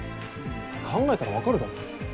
考えたら分かるだろ。